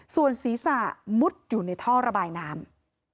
ส่วนศีรษะมุดอยู่ในท่อระบายน้ำ